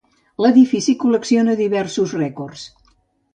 L'edifici col·lecciona diversos rècords.